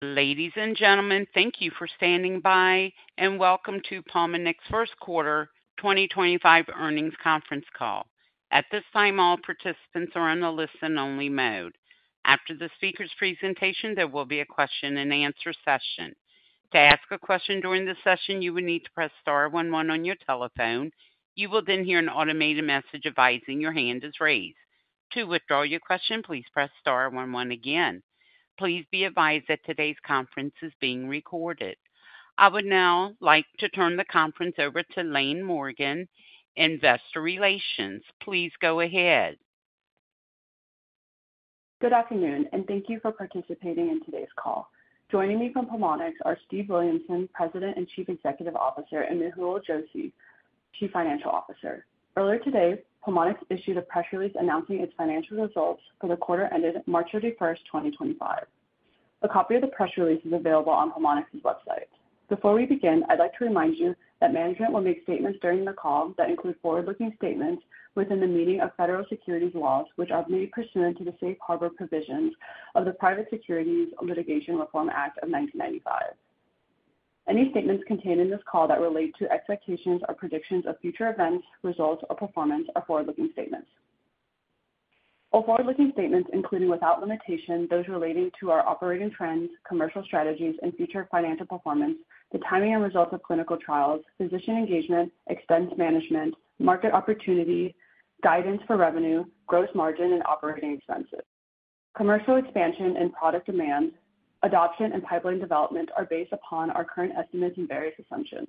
Ladies and gentlemen, thank you for standing by and welcome to Pulmonx's first quarter 2025 earnings conference call. At this time, all participants are in a listen only mode. After the speaker's presentation, there will be a question and answer session. To ask a question during the session you would need to press star one one on your telephone. You will then hear an automated message advising your hand is raised. To withdraw your question, please press star one one again. Please be advised that today's conference is being recorded. I would now like to turn the conference over to Laine Morgan, Investor Relations. Please go ahead. Good afternoon and thank you for participating in today's call. Joining me from Pulmonx are Steve Williamson, President and Chief Executive Officer, and Mehul Joshi, Chief Financial Officer. Earlier today, Pulmonx issued a press release announcing its financial results for the quarter ended March 31, 2025. A copy of the press release is available on Pulmonx's website. Before we begin, I'd like to remind you that management will make statements during the call that include forward looking statements within the meaning of federal securities laws which are made pursuant to the safe harbor provisions of the Private Securities Litigation Reform Act of 1995. Any statements contained in this call that relate to expectations or predictions of future events, results or performance are forward looking statements. All forward looking statements, including without limitation those relating to our operating trends, commercial strategies and future financial performance. The timing and results of clinical trials, physician engagement, expense management, market opportunity, guidance for revenue, gross margin and operating expenses, commercial expansion and product demand adoption and pipeline development are based upon our current estimates and various assumptions.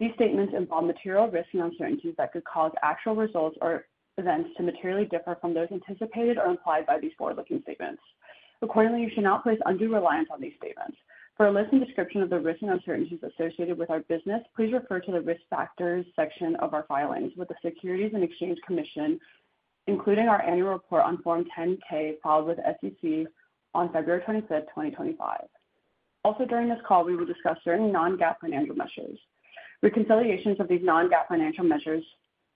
These statements involve material risks and uncertainties that could cause actual results or events to materially differ from those anticipated or implied by these forward looking statements. Accordingly, you should not place undue reliance on these statements. For a list and description of the risks and uncertainties associated with our business, please refer to the Risk Factors section of our filings with the Securities and Exchange Commission, including our annual report on Form 10-K filed with the SEC on February 25, 2025. Also, during this call we will discuss certain non-GAAP financial measures. Reconciliations of these non-GAAP financial measures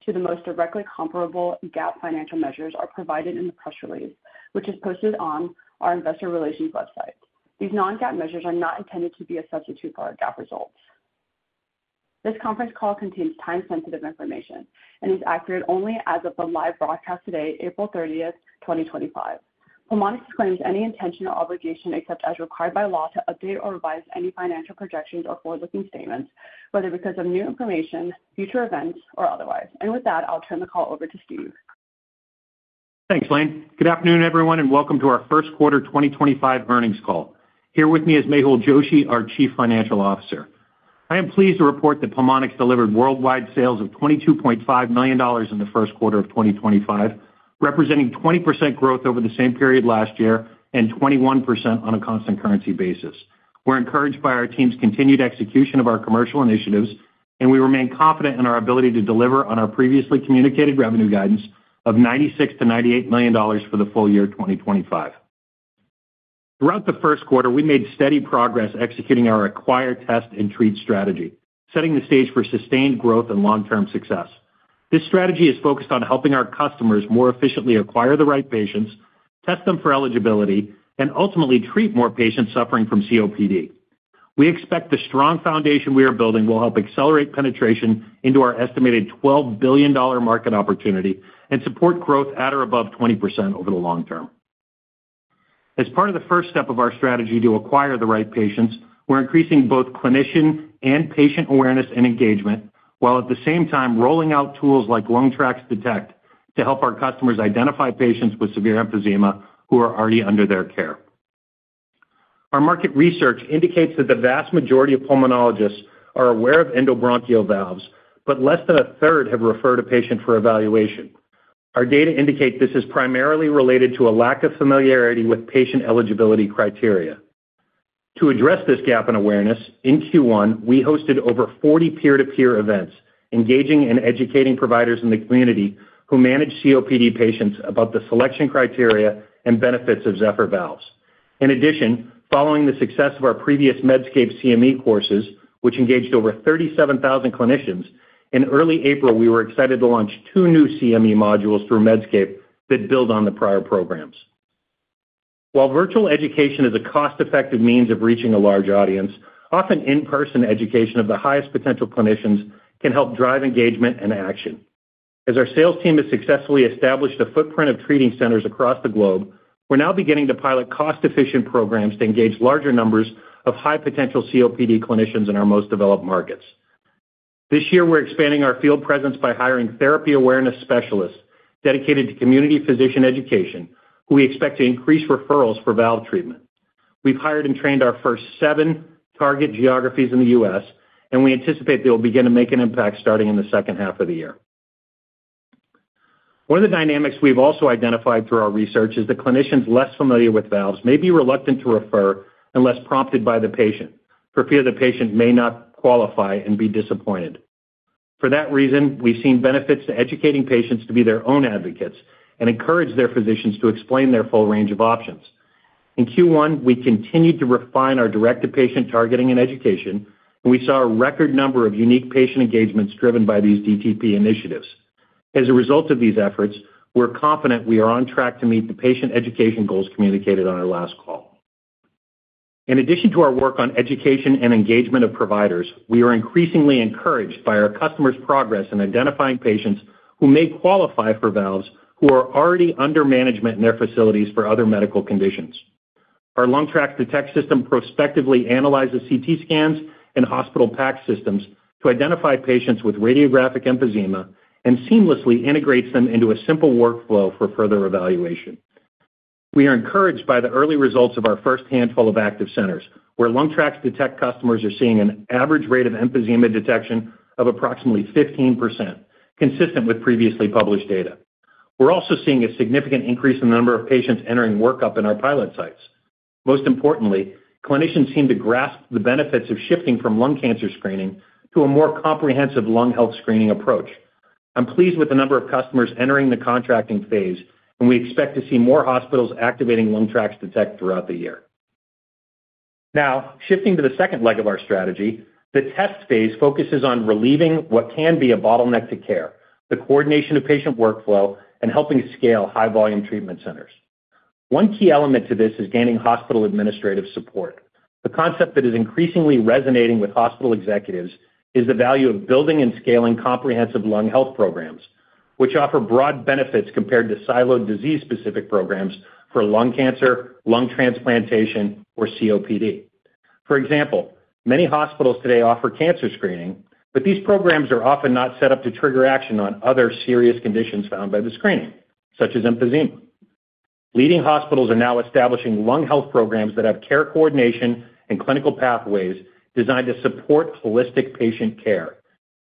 to the most directly comparable GAAP financial measures are provided in the press release which is posted on our Investor Relations website. These non-GAAP measures are not intended to be a substitute for our GAAP results. This conference call contains time sensitive information and is accurate only as of the live broadcast today, April 30, 2025. Pulmonx disclaims any intention or obligation except as required by law to update or revise any financial projections or forward looking statements, whether because of new information, future events or otherwise. With that I'll turn the call over to Steve. Thanks Laine. Good afternoon everyone and welcome to our first quarter 2025 earnings call. Here with me is Mehul Joshi, our Chief Financial Officer. I am pleased to report that Pulmonx delivered worldwide sales of $22.5 million in the first quarter of 2025, representing 20% growth over the same period last year and 21% on a constant currency basis. We're encouraged by our team's continued execution of our commercial initiatives and we remain confident in our ability to deliver on our previously communicated revenue guidance of $96-$98 million for the full year 2025. Throughout the first quarter we made steady progress executing our Acquire, Test and Treat strategy, setting the stage for sustained growth and long term success. This strategy is focused on helping our customers more efficiently acquire the right patients set them for eligibility and ultimately treat more patients suffering from COPD. We expect the strong foundation we are building will help accelerate penetration into our estimated $12 billion market opportunity and support growth at or above 20% over the long term. As part of the first step of our strategy to acquire the right patients, we're increasing both clinician and patient awareness and engagement while at the same time rolling out tools like LungTraX Detect to help our customers identify patients with severe emphysema who are already under their care. Our market research indicates that the vast majority of pulmonologists are aware of endobronchial valves, but less than a third have referred a patient for evaluation. Our data indicate this is primarily related to a lack of familiarity with patient eligibility criteria. To address this gap in awareness in Q1, we hosted over 40 peer to peer events, engaging and educating providers in the community who manage COPD patients about the selection criteria and benefits of Zephyr Valves. In addition, following the success of our previous Medscape CME courses which engaged over 37,000 clinicians in early April, we were excited to launch two new CME modules through Medscape that build on the prior programs. While virtual education is a cost effective means of reaching a large audience, often in person education of the highest potential clinicians can help drive engagement and action. As our sales team has successfully established a footprint of treating centers across the globe, we're now beginning to pilot cost efficient programs to engage larger numbers of high potential COPD clinicians in our most developed markets. This year we're expanding our field presence by hiring therapy awareness specialists dedicated to community physician education who we expect to increase referrals for valve treatment. We've hired and trained our first seven target geographies in the U.S. and we anticipate they will begin to make an impact starting in the second half of the year. One of the dynamics we've also identified through our research is that clinicians less familiar with valves may be reluctant to refer unless prompted by the patient for fear the patient may not qualify and be disappointed. For that reason, we've seen benefits to educating patients to be their own advocates and encourage their physicians to explain their full range of options. In Q1, we continued to refine our direct to patient targeting and education and we saw a record number of unique patient engagements driven by these DTP initiatives. As a result of these efforts, we're confident we are on track to meet the patient education goals communicated on our last call. In addition to our work on education and engagement of providers, we are increasingly encouraged by our customers' progress in identifying patients who may qualify for valves who are already under management in their facilities for other medical conditions. Our LungTrax Detect system prospectively analyzes CT scans and hospital PAC systems to identify patients with radiographic emphysema and seamlessly integrates them into a simple workflow for further evaluation. We are encouraged by the early results of our first handful of active centers where LungTrax Detect customers are seeing an average rate of emphysema detection of approximately 15% consistent with previously published data. We're also seeing a significant increase in the number of patients entering workup in our pilot sites. Most importantly, clinicians seem to grasp the benefits of shifting from lung cancer screening to a more comprehensive lung health screening approach. I'm pleased with the number of customers entering the contracting phase and we expect to see more hospitals activating LungTraX Detect throughout the year. Now shifting to the second leg of our strategy, the test phase focuses on relieving what can be a bottleneck to care, the coordination of patient workflow and helping scale high volume treatment centers. One key element to this is gaining hospital administrative support. The concept that is increasingly resonating with hospital executives is the value of building and scaling comprehensive lung health programs which offer broad benefits compared to siloed disease specific programs for lung cancer, lung transplantation or COPD. For example, many hospitals today offer cancer screening, but these programs are often not set up to trigger action on other serious conditions found by this screening, such as emphysema. Leading hospitals are now establishing lung health programs that have care coordination and clinical pathways designed to support holistic patient care.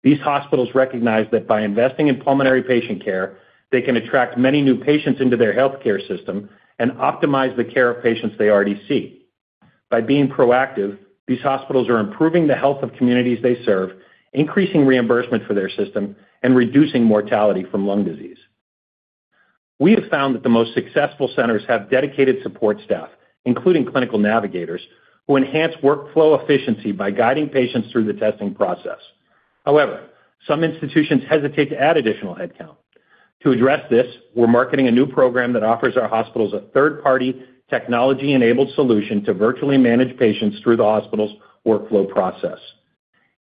These hospitals recognize that by investing in pulmonary patient care, they can attract many new patients into their health care system and optimize the care of patients they already see. By being proactive, these hospitals are improving the health of communities they serve, increasing reimbursement for their system and reducing mortality from lung disease. We have found that the most successful centers have dedicated support staff including clinical navigators who enhance workflow efficiency by guiding patients through the testing process. However, some institutions hesitate to add additional headcount. To address this, we're marketing a new program that offers our hospitals a third-party technology-enabled solution to virtually manage patients through the hospital's workflow process.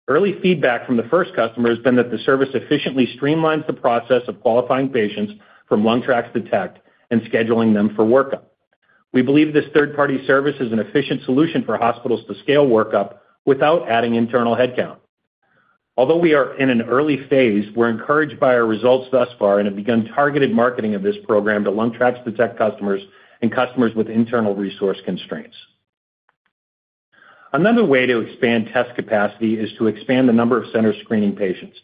Early feedback from the first customer has been that the service efficiently streamlines the process of qualifying patients from LungTrax Detect and scheduling them for workup. We believe this third-party service is an efficient solution for hospitals to scale workup without adding internal headcount. Although we are in an early phase, we're encouraged by our results thus far and have begun targeted marketing of this program to LungTrax Detect customers and customers with internal resource constraints. Another way to expand test capacity is to expand the number of centers screening patients.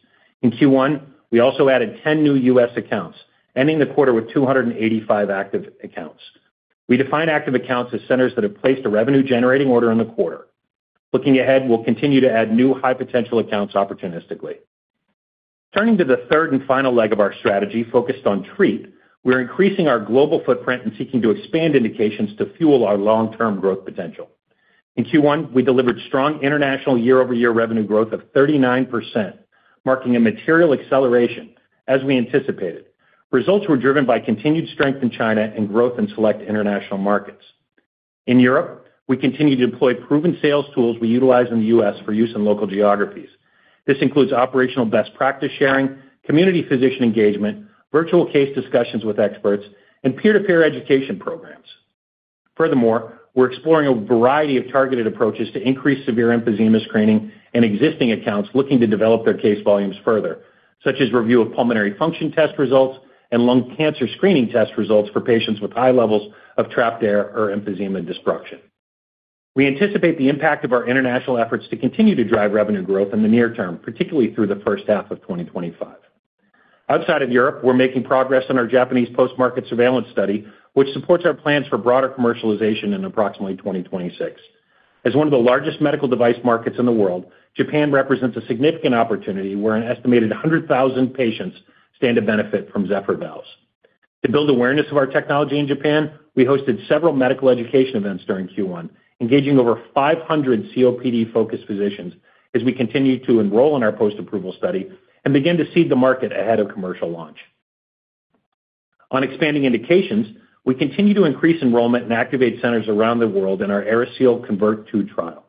In Q1 we also added 10 new US accounts, ending the quarter with 285 active accounts. We define active accounts as centers that have placed a revenue-generating order in the quarter. Looking ahead, we'll continue to add new high-potential accounts opportunistically. Turning to the third and final leg of our strategy focused on treat, we're increasing our global footprint and seeking to expand indications to fuel our long-term growth potential. In Q1 we delivered strong international year-over-year revenue growth of 39%, marking a material acceleration. As we anticipated, results were driven by continued strength in China and growth in select international markets. In Europe, we continue to deploy proven sales tools we utilize in the U.S. for use in local geographies. This includes operational best practice sharing, community physician engagement, virtual case discussions with experts, and peer-to-peer education programs. Furthermore, we're exploring a variety of targeted approaches to increase severe emphysema screening in existing accounts looking to develop their case volumes further, such as review of pulmonary function test results and lung cancer screening test results for patients with high levels of trapped air or emphysema destruction. We anticipate the impact of our international efforts to continue to drive revenue growth in the near term, particularly through the first half of 2025. Outside of Europe, we're making progress on our Japanese post market surveillance study, which supports our plans for broader commercialization in approximately 2026. As one of the largest medical device markets in the world, Japan represents a significant opportunity where an estimated 100,000 patients stand to benefit from Zephyr Valves. To build awareness of our technology in Japan, we hosted several medical education events during Q1, engaging over 500 COPD focused physicians as we continue to enroll in our post approval study and begin to seed the market ahead of commercial launch on expanding indications. We continue to increase enrollment and activate centers around the world in our AeriSeal Convert II trial.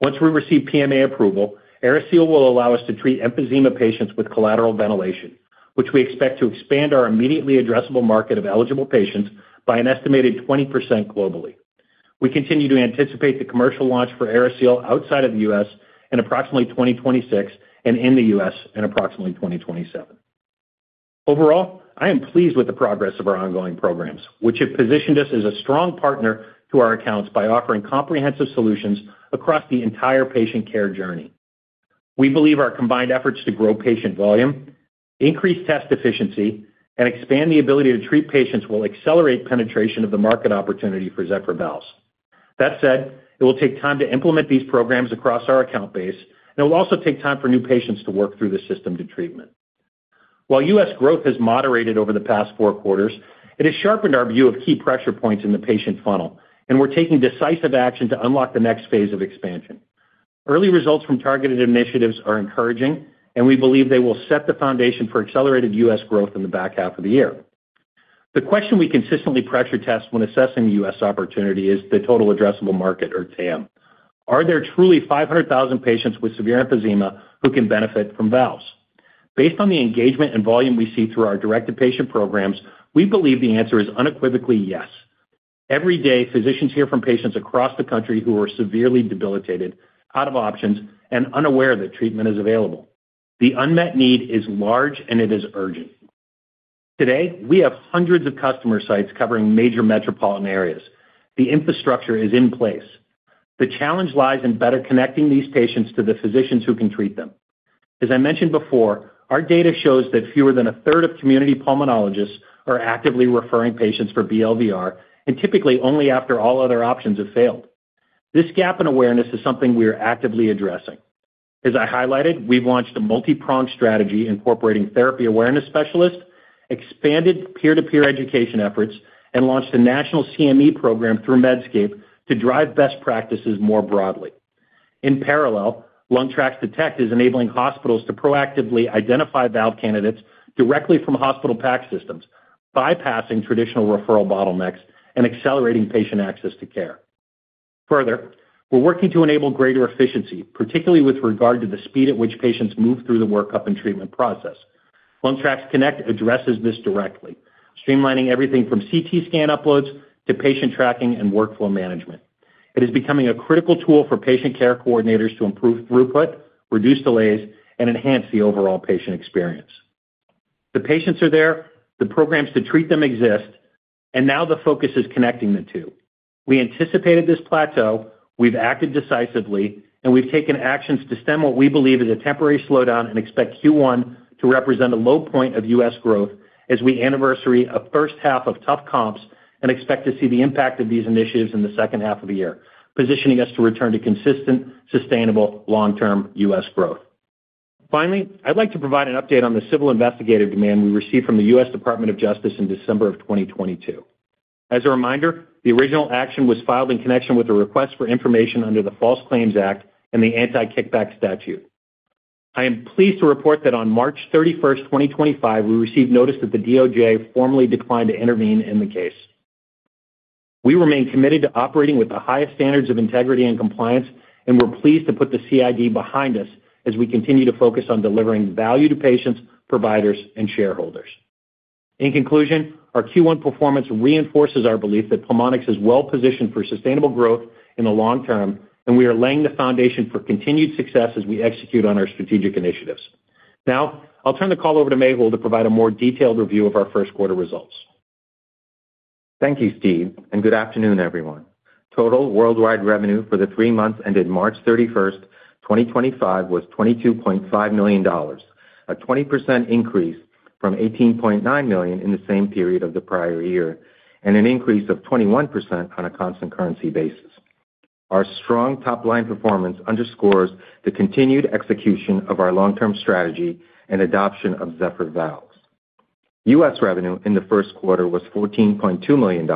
Once we receive PMA approval, AeriSeal will allow us to treat emphysema patients with collateral ventilation, which we expect to expand our immediately addressable market of eligible patients by an estimated 20% globally. We continue to anticipate the commercial launch for AeriSeal outside of the U.S. in approximately 2026 and in the U.S. in approximately 2027. Overall, I am pleased with the progress of our ongoing programs which have positioned us as a strong partner to our accounts by offering comprehensive solutions across the entire patient care journey. We believe our combined efforts to grow patient volume, increase test efficiency and expand the ability to treat patients will accelerate penetration of the market opportunity for Zephyr Valves. That said, it will take time to implement these programs across our account base and it will also take time for new patients to work through the system to treatment. While US growth has moderated over the past four quarters, it has sharpened our view of key pressure points in the patient funnel and we're taking decisive action to unlock the next phase of expansion. Early results from targeted initiatives are encouraging and we believe they will set the foundation for accelerated US growth in the. Back half of the year. The question we consistently pressure test when assessing the US opportunity is the total addressable market or TAM. Are there truly 500,000 patients with severe emphysema who can benefit from valves? Based on the engagement and volume we see through our direct to patient programs, we believe the answer is unequivocally yes. Every day physicians hear from patients across the country who are severely debilitated, out of options, and unaware that treatment is available. The unmet need is large and it is urgent. Today we have hundreds of customer sites covering major metropolitan areas. The infrastructure is in place. The challenge lies in better connecting these patients to the physicians who can treat them. As I mentioned before, our data shows that fewer than a third of community pulmonologists are actively referring patients for BLVR and typically only after all other options have failed. This gap in awareness is something we are actively addressing. As I highlighted, we've launched a multi-pronged strategy incorporating therapy awareness specialists, expanded peer-to-peer education efforts and launched a national CME program through Medscape to drive best practices more broadly. In parallel, LungTrax Detect is enabling hospitals to proactively identify valve candidates directly from hospital PAC systems, bypassing traditional referral bottlenecks and accelerating patient access to care. Further, we're working to enable greater efficiency, particularly with regard to the speed at which patients move through the workup and treatment process. LungTrax Connect addresses this directly, streamlining everything from CT scan uploads to patient tracking and workflow management. It is becoming a critical tool for patient care coordinators to improve throughput, reduce delays and enhance the overall patient experience. The patients are there, the programs to treat them exist, and now the focus is connecting the two. We anticipated this plateau, we've acted decisively, and we've taken actions to stem what we believe is a temporary slowdown and expect Q1 to represent a low point of US growth as we anniversary a first half of tough comps and expect to see the impact of these initiatives in the second half of the year, positioning us to return to consistent, sustainable long-term US growth. Finally, I'd like to provide an update on the civil investigative demand we received from the US Department of Justice in December of 2022. As a reminder, the original action was filed in connection with a request for information under the False Claims Act and the Anti-Kickback Statute. I am pleased to report that on March 31, 2025, we received notice that the DOJ formally declined to intervene in the case. We remain committed to operating with the highest standards of integrity and compliance and we're pleased to put the CID behind us as we continue to focus on delivering value to patients, providers and shareholders. In conclusion, our Q1 performance reinforces our belief that Pulmonx is well positioned for sustainable growth in the long term and we are laying the foundation for continued success as we execute on our strategic initiatives. Now I'll turn the call over to Mehul to provide a more detailed review of our first quarter results. Thank you Steve and good afternoon everyone. Total worldwide revenue for the three months ended March 31, 2025 was $22.5 million, a 20% increase from $18.9 million in the same period of the prior year and an increase of 21% on a constant currency basis. Our strong top line performance underscores the continued execution of our long term strategy and adoption of Zephyr Valves. US revenue in the first quarter was $14.2 million,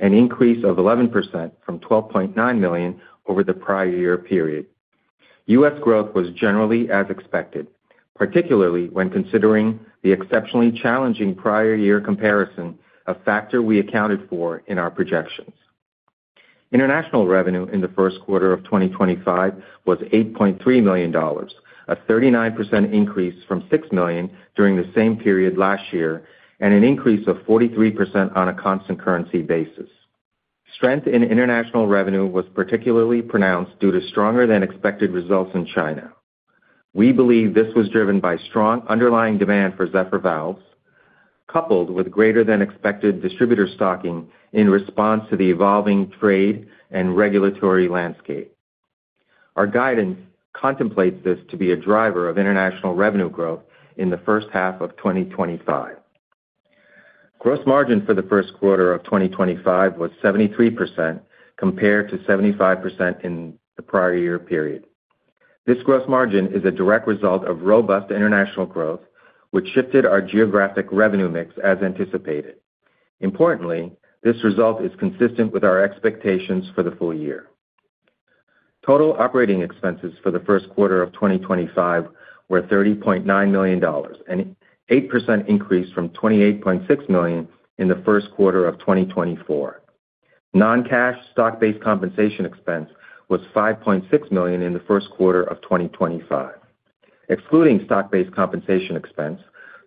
an increase of 11% from $12.9 million over the prior year period. US growth was generally as expected, particularly when considering the exceptionally challenging prior year comparison, a factor we accounted for in our projections. International revenue in the first quarter of 2025 was $8.3 million, a 39% increase from $6 million during the same period last year and an increase of 43% on a constant currency basis. Strength in international revenue was particularly pronounced due to stronger than expected results in China. We believe this was driven by strong underlying demand for Zephyr Valves coupled with greater than expected distributor stocking in response to the evolving trade and regulatory landscape. Our guidance contemplates this to be a driver of international revenue growth in the first half of 2025. Gross margin for the first quarter of 2025 was 73% compared to 75% in the prior year period. This gross margin is a direct result of robust international growth which shifted our geographic revenue mix as anticipated. Importantly, this result is consistent with our expectations for the full year. Total operating expenses for the first quarter of 2025 were $30.9 million, an 8% increase from $28.6 million in the first quarter of 2024. Non-cash stock-based compensation expense was $5.6 million in the first quarter of 2025. Excluding stock based compensation expense,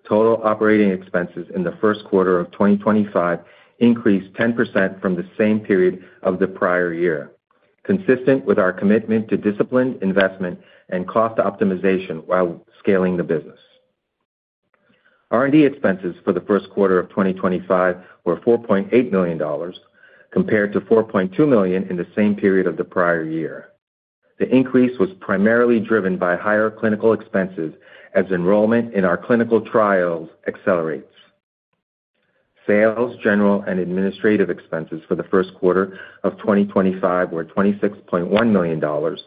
total operating expenses in the first quarter of 2025 increased 10% from the same period of the prior year, consistent with our commitment to disciplined investment and cost optimization while scaling the business. R&D expenses for the first quarter of 2025 were $4.8 million compared to $4.2 million in the same period of the prior year. The increase was primarily driven by higher clinical expenses as enrollment in our clinical trials accelerates. Sales, general and administrative expenses for the first quarter of 2025 were $26.1 million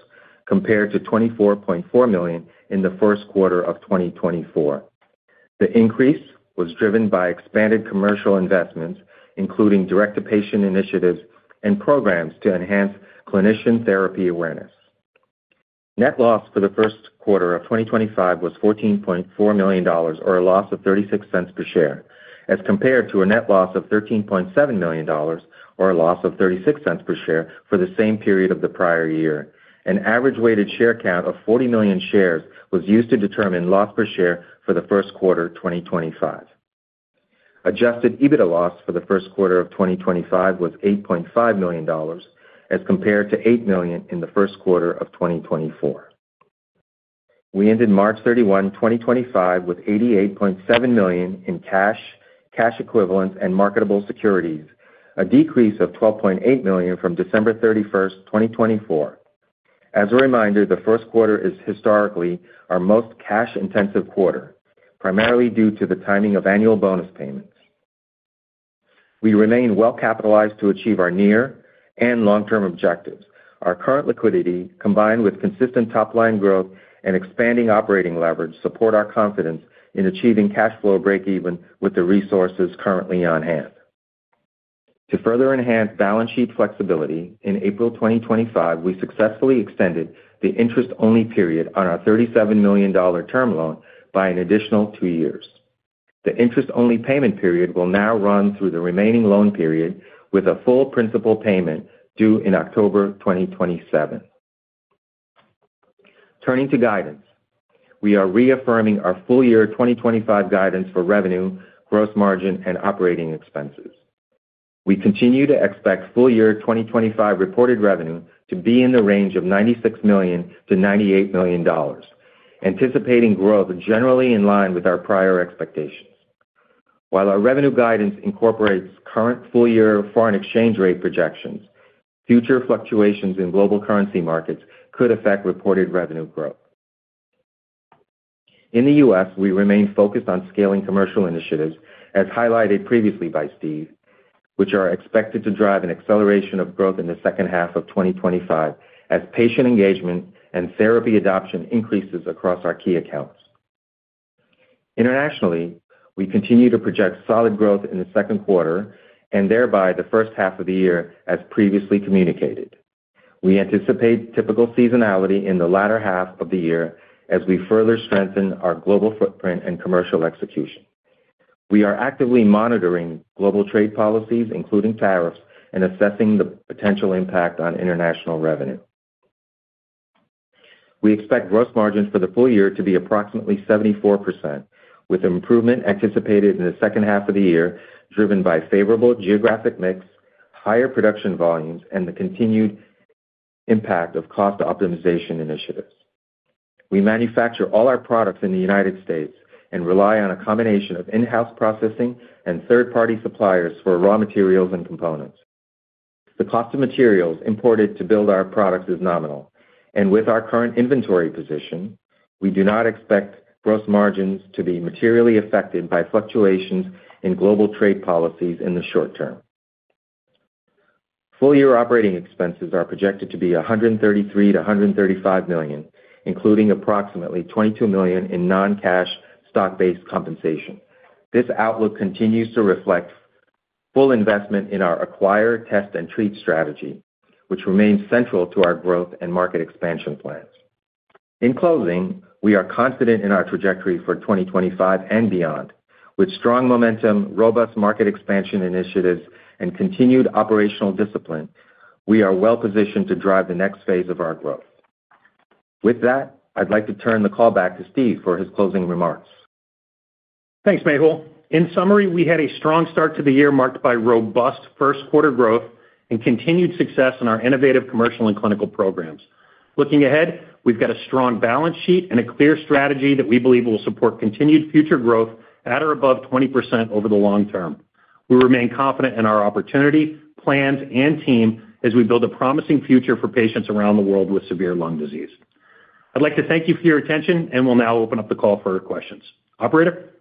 compared to $24.4 million in the first quarter of 2024. The increase was driven by expanded commercial investments, including direct to patient initiatives and programs to enhance clinician therapy awareness. Net loss for the first quarter of 2025 was $14.4 million or a loss of $0.36 per share as compared to a net loss of $13.7 million or a loss of $0.36 per share for the same period of the prior year. An average weighted share count of 40 million shares was used to determine loss per share for the first quarter 2025. Adjusted EBITDA loss for the first quarter of 2025 was $8.5 million as compared to $8 million in the first quarter of 2024. We ended March 31, 2025 with $88.7 million in cash, cash equivalents and marketable securities, a decrease of $12.8 million from December 31, 2024. As a reminder, the first quarter is historically our most cash intensive quarter, primarily due to the timing of annual bonus payments. We remain well capitalized to achieve our near and long term objectives. Our current liquidity combined with consistent top line growth and expanding operating leverage support our confidence in achieving cash flow breakeven with the resources currently on hand to further enhance balance sheet flexibility. In April 2025 we successfully extended the interest only period on our $37 million term loan by an additional two years. The interest only payment period will now run through the remaining loan period with a full principal payment due in October 2027. Turning to guidance we are reaffirming our full year 2025 guidance for revenue, gross margin and operating expenses. We continue to expect full year 2025 reported revenue to be in the range of $96 million-$98 million, anticipating growth generally in line with our prior expectations. While our revenue guidance incorporates current full year foreign exchange rate projections, future fluctuations in global currency markets could affect reported revenue growth. In the U.S. we remain focused on scaling commercial initiatives as highlighted previously by Steve, which are expected to drive an acceleration of growth in the second half of 2025 as patient engagement and therapy adoption increases across our key accounts. Internationally, we continue to project solid growth in the second quarter and thereby the first half of the year. As previously communicated, we anticipate typical seasonality in the latter half of the year as we further strengthen our global footprint and commercial execution. We are actively monitoring global trade policies including tariffs and assessing the potential impact on international revenue. We expect gross margins for the full year to be approximately 74% with improvement anticipated in the second half of the year driven by favorable geographic mix, higher production volumes and the continued impact of cost optimization initiatives. We manufacture all our products in the United States and rely on a combination of in house processing and third party suppliers for raw materials and components. The cost of materials imported to build our products is nominal and with our current inventory position, we do not expect gross margins to be materially affected by fluctuations in global trade policies in the short term. Full year operating expenses are projected to be $133 million-$135 million, including approximately $22 million in non cash stock based compensation. This outlook continues to reflect full investment in our acquire, test and treat strategy which remains central to our growth and market expansion plans. In closing, we are confident in our trajectory for 2025 and beyond. With strong momentum, robust market expansion initiatives and continued operational discipline, we are well positioned to drive the next phase of our growth. With that, I'd like to turn the call back to Steve for his closing remarks. Thanks, Mehul. In summary, we had a strong start to the year marked by robust first quarter growth and continued success in our innovative commercial and clinical programs. Looking ahead, we've got a strong balance sheet and a clear strategy that we believe will support continued future growth at or above 20% over the long term. We remain confident in our opportunity, plans and team as we build a promising future for patients around the world with severe lung disease. I'd like to thank you for your attention and we'll now open up the call for questions. Operator.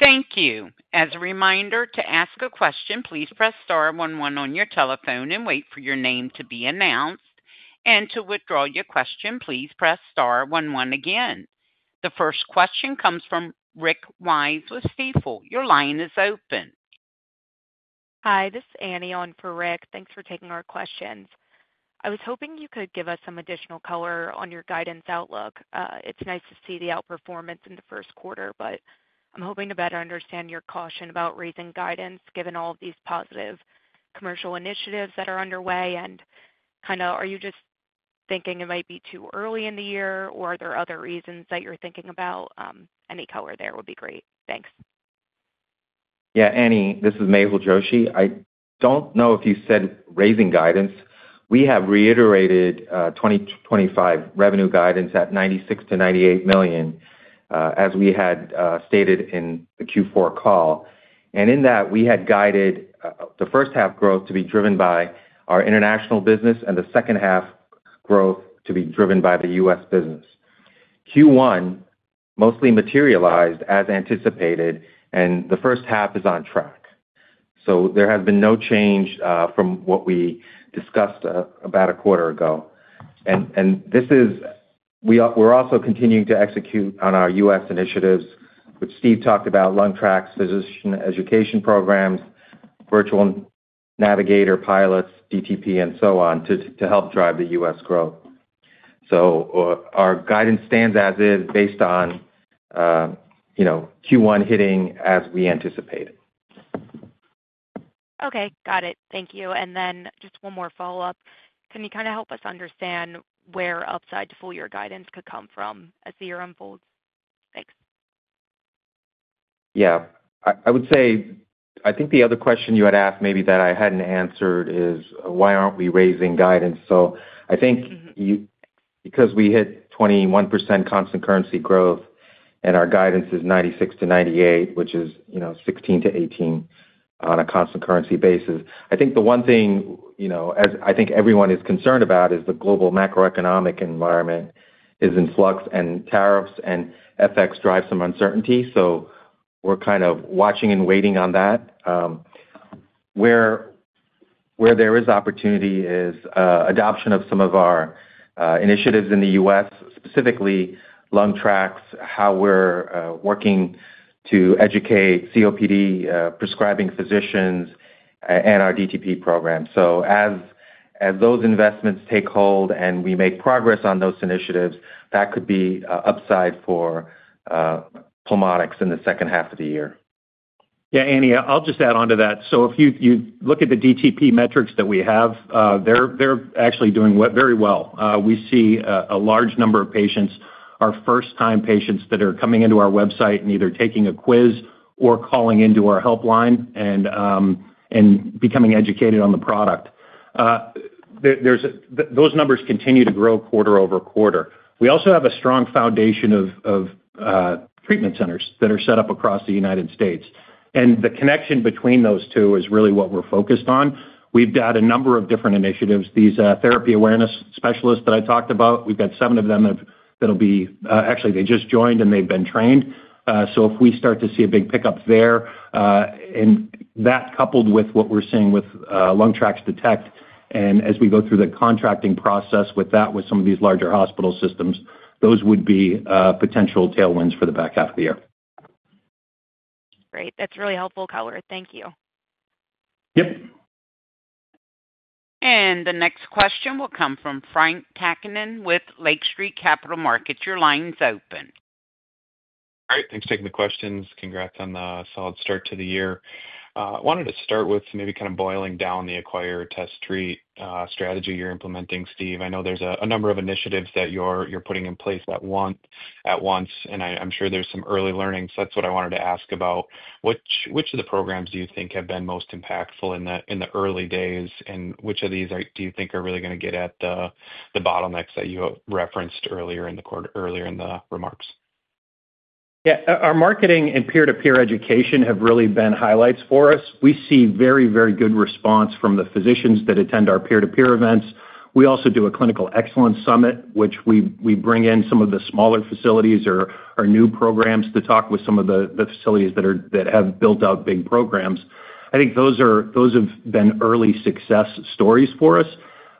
Thank you. As a reminder to ask a question, please press star one onee on your telephone and wait for your name to be announced. To withdraw your question, please press star one one again. The first question comes from Rick Wise with Stifel. Your line is open. Hi, this is Annie on for Rick. Thanks for taking our questions. I was hoping you could give us some additional color on your guidance outlook. It's nice to see the outperformance in the first quarter, but I'm hoping to better understand your caution about raising guidance given all of these positive commercial initiatives that are underway. Are you just thinking it might be too early in the year or are there other reasons that you're thinking about? Any color there would be. Great. Thanks. Yeah, Annie, this is Mehul Joshi. I don't know if you said raising guidance. We have reiterated 2025 revenue guidance at $96-$98 million as we had stated in the Q4 call and in that we had guided the first half growth to be driven by our international business and the second half growth to be driven by the US business. Q1 mostly materialized as anticipated and the first half is on track. There has been no change from what we discussed about a quarter ago. We are also continuing to execute on our US initiatives which Steve talked about. LungTraX, physician education programs, virtual navigator pilots, DTP and so on to help drive the US growth. Our guidance stands as is based on Q1 hitting as we anticipate. Okay, got it. Thank you. Just one more follow up. Can you kind of help us understand where upside to full year guidance could come from as the year unfolds? Thanks. Yeah, I would say I think the other question you had asked, maybe that I hadn't answered is why aren't we raising guidance. I think because we hit 21% constant currency growth and our guidance is 96 to 98, which is 16% to 18% on a constant currency basis. I think the one thing I think everyone is concerned about is the global macroeconomic environment is in flux and tariffs and FX drive some uncertainty. We are kind of watching and waiting on that. Where there is opportunity is adoption of some of our initiatives in the U.S., specifically LungTraX, how we are working to educate COPD prescribing physicians and our DTP program. As those investments take hold and we make progress on those initiatives, that could be upside for Pulmonx in the second half of the year. Yeah, Annie, I'll just add on to that. If you look at the DTP metrics that we have, they're actually doing very well. We see a large number of patients, our first time patients that are coming into our website and either taking a quiz or calling into our helpline and becoming educated on the product. Those numbers continue to grow quarter over quarter. We also have a strong foundation of treatment centers that are set up across the United States. The connection between those two is really what we're focused on. We've got a number of different initiatives. These therapy awareness specialists that I talked about, we've got seven of them that'll be. Actually, they just joined and they've been trained. If we start to see a big pickup there and that coupled with what we're seeing with LungTraX Detect, and as we go through the contracting process with that, with some of these larger hospital systems, those would be potential tailwinds. For the back half of the year. Great. That's really helpful color. Thank you. Yep. The next question will come from Frank Takkinen with Lake Street Capital Markets. Your line's open. All right, thanks for taking the questions. Congrats on the solid start to the year. I wanted to start with maybe kind of boiling down the acquire, test, treat strategy you're implementing. Steve, I know there's a number of initiatives that you're putting in place at once, and I'm sure there's some early learning. That's what I wanted to ask about. Which of the programs do you think have been most impactful in the early days, and which of these do you think are really going to get at the bottlenecks that you referenced earlier in the quarter? Earlier in the remarks? Yeah, our marketing and peer to peer education have really been highlights for us. We see very, very good response from the physicians that attend our peer to peer events. We also do a clinical excellence summit, which we bring in some of the smaller facilities or new programs to talk with some of the facilities that have built out big programs. I think those have been early success stories for us.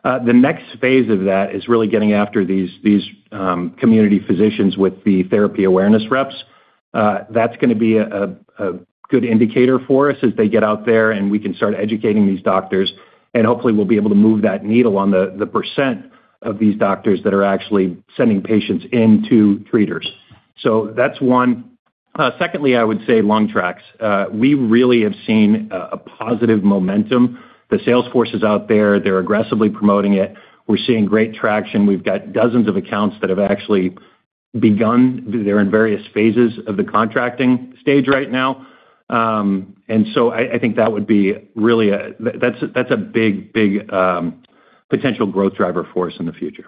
The next phase of that is really getting after these community physicians with the therapy awareness reps. That's going to be a good indicator for us as they get out there and we can start educating these doctors and hopefully we'll be able to move that needle on the percent of these doctors that are actually sending patients into treaters. That's one. Secondly, I would say LungTraX. We really have seen a positive momentum. The sales force is out there. They're aggressively promoting it. We're seeing great traction. We've got dozens of accounts that have actually begun. They're in various phases of the contracting stage right now. I think that would be really, that's a big, big potential growth driver for us in the future.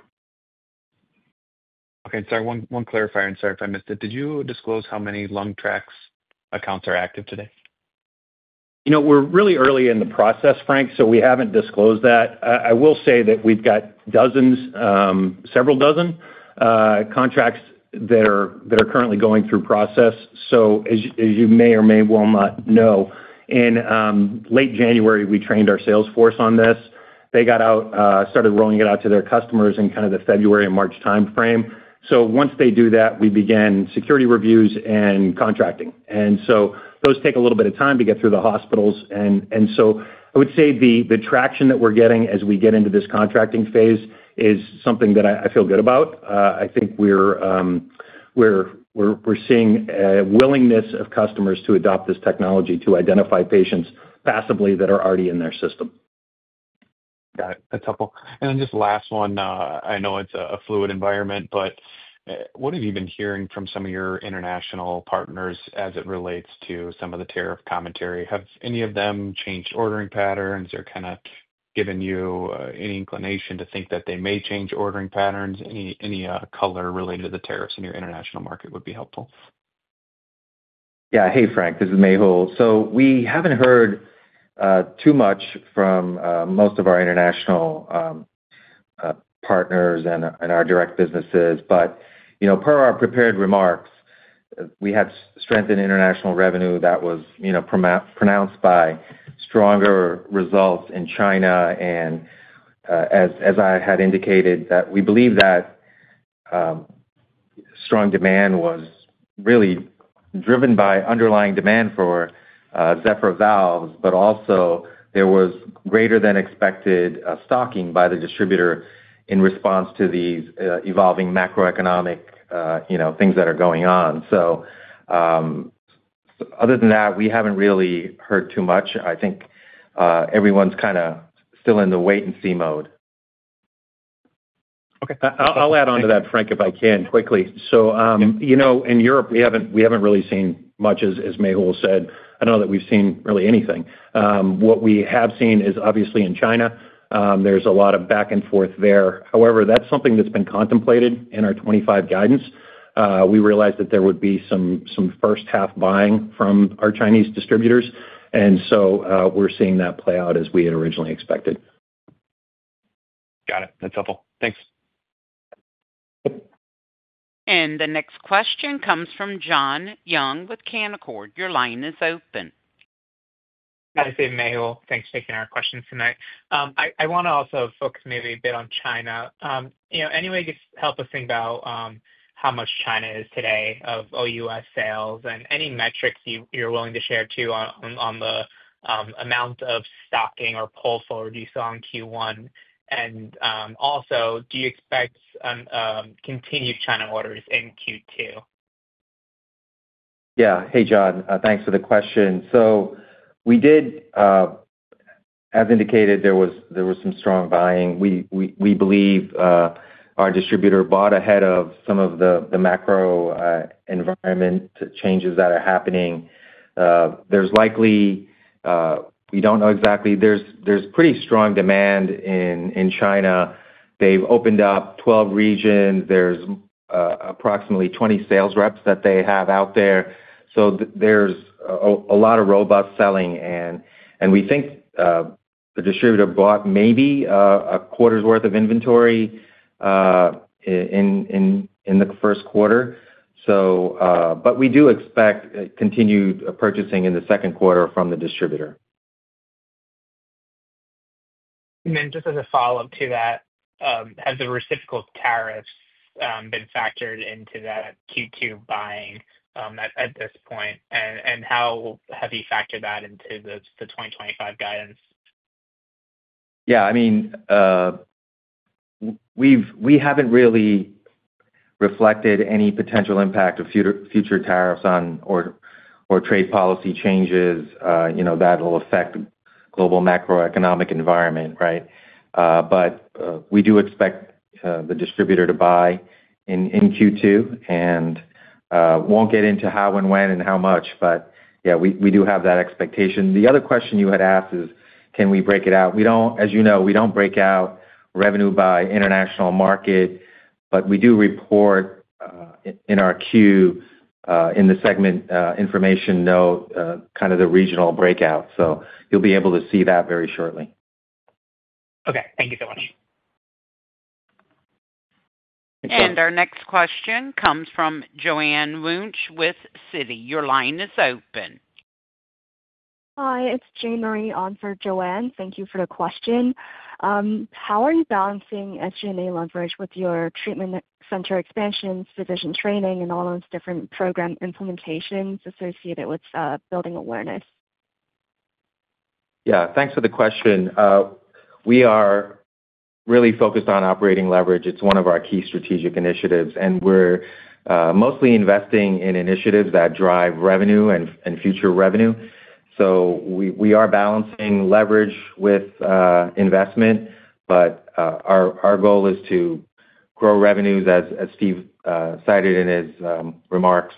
Okay, sorry, one clarifier and sorry if I missed it. Did you disclose how many LungTraX accounts are active today? You know, we're really early in the process, Frank, so we haven't disclosed that. I will say that we've got dozens, several dozen contracts that are currently going through process. As you may or may well not know, in late January we trained our sales force on this. They got out, started rolling it out to their customers in kind of the February and March timeframe. Once they do that, we begin security reviews and contracting. Those take a little bit of time to get through the hospitals. I would say the traction that we're getting as we get into this contracting phase is something that I feel good about. I think we're seeing a willingness of customers to adopt this technology to identify patients passively that are already in their system. Got it. A couple and then just last one. I know it's a fluid environment, but what have you been hearing from some of your international partners as it relates to some of the tariff commentary? Have any of them changed ordering patterns or kind of given you any inclination to think that they may change ordering patterns? Any color related to the tariffs in your international market would be helpful. Yeah. Hey, Frank, this is Mehul. We haven't heard too much from most of our international partners and our direct businesses. You know, per our prepared remarks, we had strength in international revenue that was pronounced by stronger results in China. As I had indicated, we believe that strong demand was really driven by underlying demand for Zephyr Valves. Also, there was greater than expected stocking by the distributor in response to these evolving macroeconomic things that are going on. So. Other than that, we haven't really heard too much. I think everyone's kind of still in the wait and see mode. Okay, I'll add on to that, Frank, if I can quickly. You know, in Europe we haven't really seen much. As Mehul said, I don't know that we've seen really anything. What we have seen is obviously in China there's a lot of back and forth there. However, that's something that's been contemplated in our 2025 guidance. We realized that there would be some first half buying from our Chinese distributors. We're seeing that play out as we had originally expected. Got it. That's helpful, thanks. The next question comes from Jon Young with Canaccord. Your line is open. Hi Steve, Mehul, thanks for taking our questions tonight. I want to also focus maybe a bit on China. Anyway, just help us think about how much China is today of OUS sales and any metrics you're willing to share too on the amount of stocking or pull forward you saw in Q1. Also do you expect continued China orders in Q2? Yeah. Hey Jon, thanks for the question. We did as indicated. There was some strong buying. We believe our distributor bought ahead of some of the macro environment changes that are happening. We do not know exactly. There is pretty strong demand in China. They have opened up 12 regions. There are approximately 20 sales reps that they have out there. There is a lot of robust selling. We think the distributor bought maybe a quarter's worth of inventory in the first quarter. We do expect continued purchasing in the second quarter from the distributor. Just as a follow up to that, have the reciprocal tariffs been factored into that Q2 buying at this point and how have you factored that into the 2025 guidance? Yeah, I mean we haven't really reflected any potential impact of future tariffs on or trade policy changes, you know, that will affect global macroeconomic environment. Right. We do expect the distributor to buy in Q2 and won't get into how and when and how much. Yeah, we do have that expectation. The other question you had asked is can we break it out? We don't, as you know, we don't break out revenue by international market. We do report in our Q in the segment information note kind of the regional breakout. You will be able to see that very shortly. Okay, thank you so much. Our next question comes from Joanne Wuensch with Citi. Your line is open. Hi, it's Jane Marie on for Joanne. Thank you for the question. How are you balancing SGA leverage with your treatment center expansion, physician training, and all those different program implementations associated with building awareness? Yeah, thanks for the question. We are really focused on operating leverage. It's one of our key strategic initiatives, and we're mostly investing in initiatives that drive revenue and future revenue. We are balancing leverage with investment, but our goal is to grow revenues, as Steve cited in his remarks.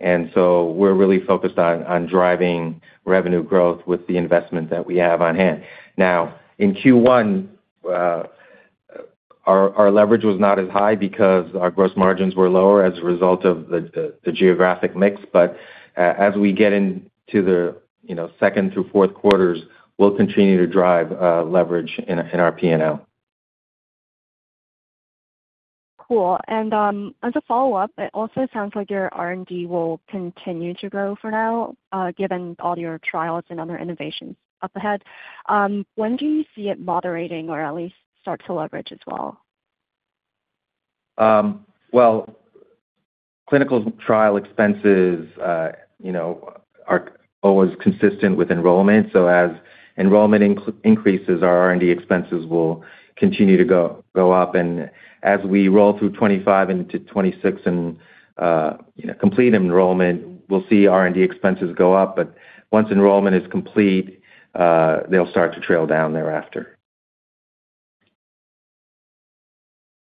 We are really focused on driving revenue growth with the investment that we have on hand now. In Q1, our leverage was not as high because our gross margins were lower as a result of the geographic mix. As we get into the second through fourth quarters, we will continue to drive leverage in our P&L. Cool. It also sounds like your R&D will continue to grow for now, given all your trials and other innovations up ahead. When do you see it moderating or at least start to leverage as well? Clinical trial expenses are always consistent with enrollment. As enrollment increases, our R&D expenses will continue to go up. As we roll through 2025 into 2026 and complete enrollment, we'll see R&D expenses go up. Once enrollment is complete, they'll start to trail down thereafter.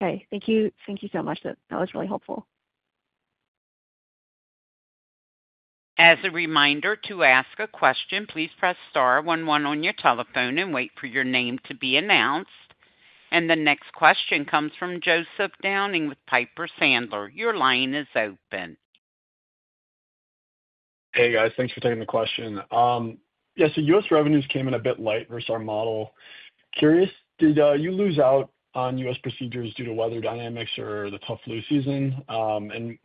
Okay, thank you. Thank you so much. That was really helpful. As a reminder to ask a question, please press star one one on your telephone and wait for your name to be announced. The next question comes from Joseph Downing with Piper Sandler. Your line is open. Hey guys, thanks for taking the question. Yes, the US revenues came in a. Bit light versus our model. Curious. Did you lose out on U.S. procedures due to weather dynamics or the tough flu season?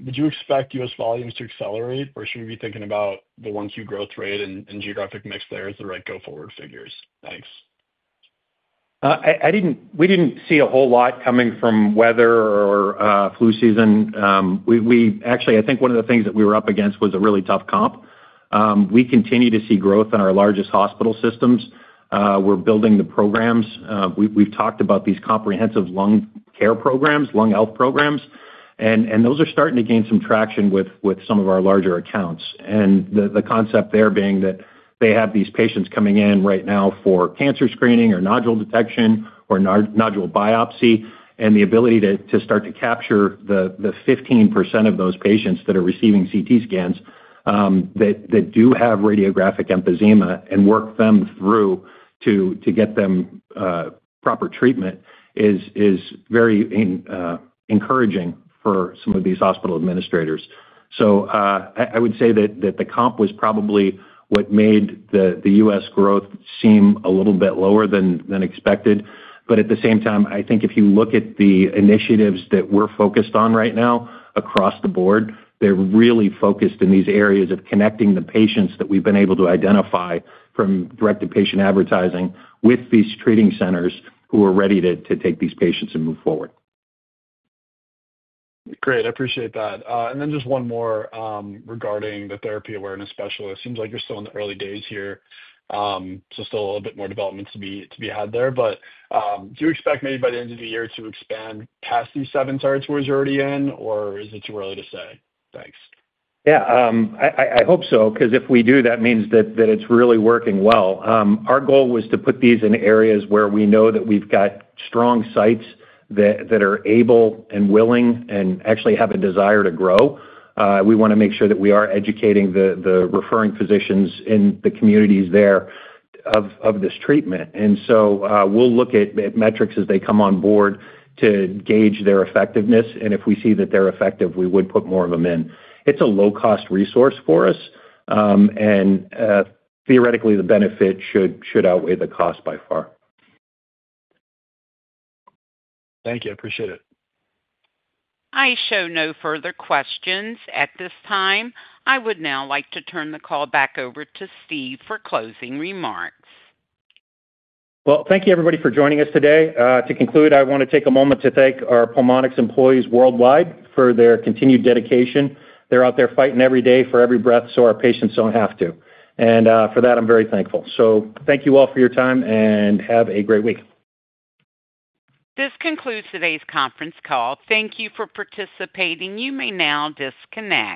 Would you expect US volumes to accelerate or should we be thinking about the 1Q growth rate and geographic mix? There is the right go forward figures. Thanks. We did not see a whole lot coming from weather or flu season. Actually, I think one of the things that we were up against was a really tough comp. We continue to see growth in our largest hospital systems. We are building the programs. We have talked about these comprehensive lung care programs, lung health programs, and those are starting to gain some traction with some of our larger accounts. The concept there is that they have these patients coming in right now for cancer screening or nodule detection or nodule biopsy, and the ability to start to capture the 15% of those patients that are receiving CT scans that do have radiographic emphysema and work them through to get them proper treatment is very encouraging for some of these hospital administrators. I would say that the comp was probably what made the US growth seem a little bit lower than expected. At the same time, I think if you look at the initiatives that we're focused on right now across the board, they're really focused in these areas of connecting the patients that we've been able to identify from direct to patient advertising with these treating centers who are ready to take these patients and move forward. Great, I appreciate that. Just one more regarding the therapy awareness specialist. Seems like you're still in the early days here, so still a bit more development to be had there. Do you expect maybe by the end of the year to expand past these seven sites we're already in, or. Is it too early to say thanks? Yeah, I hope so, because if we do, that means that it's really working well. Our goal was to put these in areas where we know that we've got strong sites that are able and willing and actually have a desire to grow. We want to make sure that we are educating the referring physicians in the communities there of this treatment. We will look at metrics as they come on board to gauge their effectiveness. If we see that they're effective, we would put more of them in. It's a low cost resource for us and theoretically the benefit should outweigh the cost by far. Thank you. I appreciate it. I show no further questions at this time. I would now like to turn the call back over to Steve for closing remarks. Thank you everybody for joining us today. To conclude, I want to take a moment to thank our Pulmonx employees worldwide for their continued dedication. They're out there fighting every day for every breath so our patients don't have to. For that I'm very thankful. Thank you all for your time and have a great week. This concludes today's conference call. Thank you for participating. You may now disconnect.